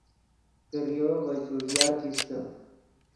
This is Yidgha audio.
کریو ڤے چوݱیا کیستے